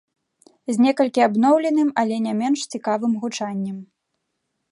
З некалькі абноўленым, але не менш цікавым гучаннем.